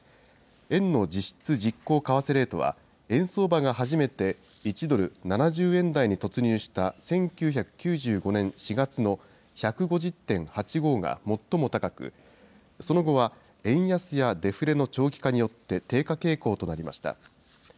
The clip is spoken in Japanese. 円の実質実効為替レートは、円相場が初めて１ドル７０円台に突入した１９９５年４月の１５０．８５が最も高く、その後は円安やデフレの長期化によって低下傾向となりました。